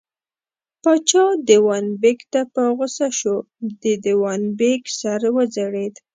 پاچا دېوان بېګ ته په غوسه شو، د دېوان بېګ سر وځړېد.